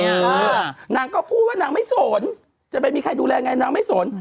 นางก็พูดว่านางไม่สนจะไปมีใครดูแลไงนางไม่สน